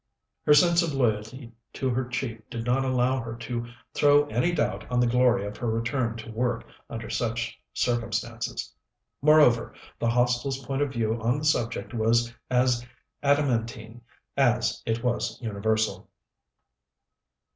Her sense of loyalty to her chief did not allow her to throw any doubt on the glory of her return to work under such circumstances. Moreover, the Hostel's point of view on the subject was as adamantine as it was universal.